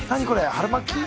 春巻き？